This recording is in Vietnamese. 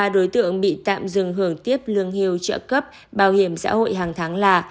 ba đối tượng bị tạm dừng hưởng tiếp lương hưu trợ cấp bảo hiểm xã hội hàng tháng là